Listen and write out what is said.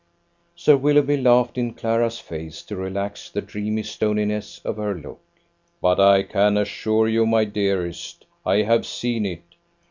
Sir Willoughby laughed in Clara's face to relax the dreamy stoniness of her look. "But I can assure you, my dearest, I have seen it.